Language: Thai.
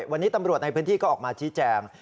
วันนี้ตำรวจในพื้นที่ก็ออกมาชี้แจง